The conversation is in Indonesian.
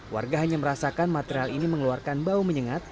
warga hanya merasakan material ini mengeluarkan bau menyengat